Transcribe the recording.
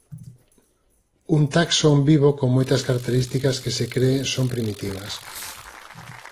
Un taxon vivo con moitas características que se cre son primitivas.